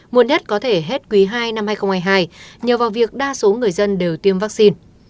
muộn nhất có thể hết quý ii năm hai nghìn hai mươi hai nhờ vào việc đa số người dân đều tiêm vaccine